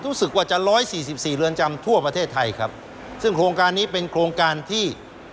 รู้สึกว่าจะร้อยสี่สิบสี่เรือนจำทั่วประเทศไทยครับซึ่งโครงการนี้เป็นโครงการที่